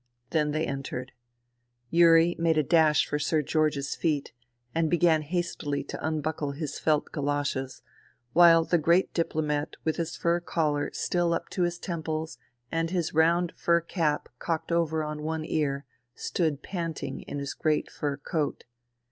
Then they entered. Yuri made a dash for Sir George's feet, and began hastily to unbuckle his felt goloshes, while the great diplomat with his fur collar still up THE REVOLUTION 85 to his temples and his round fur cap cocked over one ear stood panting in his great fur coat.